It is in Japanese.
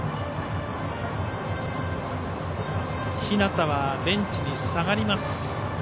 日向はベンチに下がります。